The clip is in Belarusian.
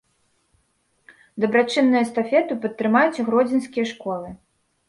Дабрачынную эстафету падтрымаюць і гродзенскія школы.